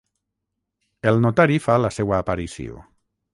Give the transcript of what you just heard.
El notari fa la seua aparició.